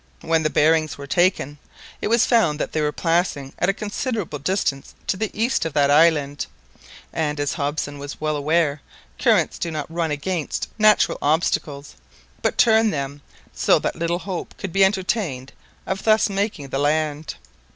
When the bearings were taken, it was found that they were passing at a considerable distance to the east of that island; and, as Hobson was well aware, currents do not run against natural obstacles, but turn them, so that little hope could be entertained of thus making the land.